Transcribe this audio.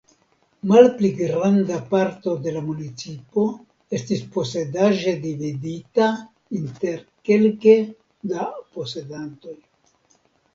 Malpli granda parto de la municipo estis posedaĵe dividita inter kelke da posedantoj.